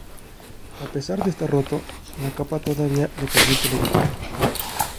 A pesar de estar roto, la capa todavía le permite levitar.